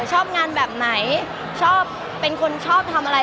มันเป็นเรื่องน่ารักที่เวลาเจอกันเราต้องแซวอะไรอย่างเงี้ย